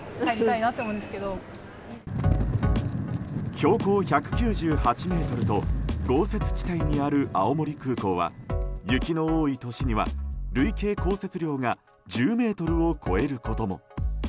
標高１９８ｍと豪雪地帯にある青森空港は雪の多い年には累計降雪量が１０ｍを超えることも。